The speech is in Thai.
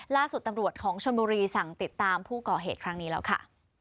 ล่าสุดตำรวจของชนบุรีสั่งติดตามผู้ก่อเหตุครั้งนี้แล้วค่ะ